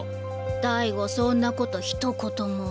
大吾そんなことひと言も。